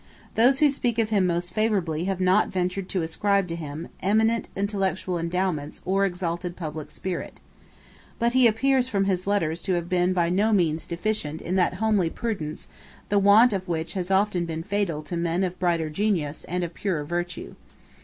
Those who speak of him most favourably have not ventured to ascribe to him eminent intellectual endowments or exalted public spirit. But he appears from his letters to have been by no means deficient in that homely prudence the want of which has often been fatal to men of brighter genius and of purer virtue.